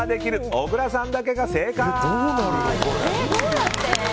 小倉さんだけが正解！